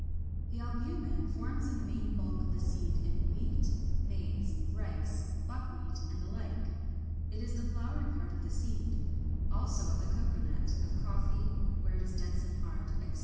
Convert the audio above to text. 32. The ALBUMEN forms the main bulk of the seed in wheat, maize, rice, buckwheat, and the like. It is the floury part of the seed. Also of the cocoa nut, of coffee (where it is dense and hard), etc.